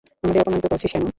আমাদের অপমানিত করছিস কেন?